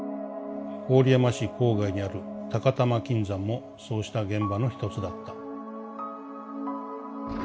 郡山市郊外にある高玉金山もそうした現場のひとつだった」。